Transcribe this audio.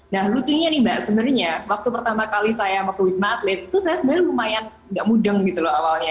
nah lucunya nih mbak sebenarnya waktu pertama kali saya mau ke wisma atlet itu saya sebenarnya lumayan gak mudeng gitu loh awalnya